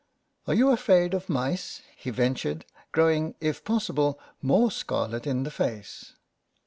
"Are you afraid of mice?" he ventured, growing, if possible, more scarlet in the face.